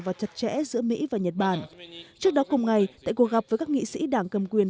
và chặt chẽ giữa mỹ và nhật bản trước đó cùng ngày tại cuộc gặp với các nghị sĩ đảng cầm quyền